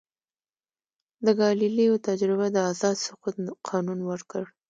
د ګالیلیو تجربه د آزاد سقوط قانون ورکړ.